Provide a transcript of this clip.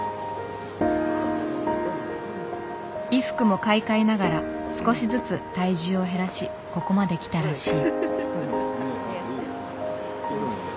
衣服も買い替えながら少しずつ体重を減らしここまできたらしい。